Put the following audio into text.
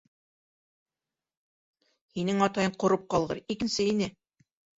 Һинең атайың ҡороп ҡалғыр, икенсе ине.